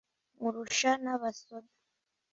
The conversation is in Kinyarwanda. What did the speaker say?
Nkurusha n'Abasoda